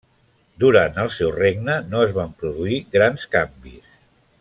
Durant el seu regne no es van produir grans canvis.